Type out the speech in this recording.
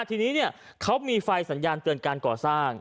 ทีนี้เขามีไฟสัญญาณเตือนการก่อสร้าง